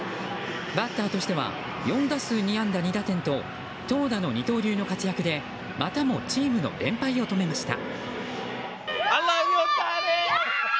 バッターとしては４打数２安打２打点と投打の二刀流の活躍でまたもチームの連敗を止めました。